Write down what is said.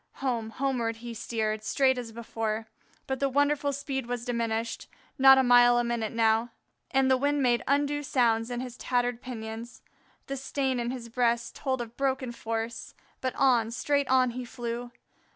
Home, homeward he steered straight as before, but the wonderful speed was diminished; not a mile a minute now; and the wind made undue sounds in his tattered pinions. The stain in his breast told of broken force; but on, straight on, he flew.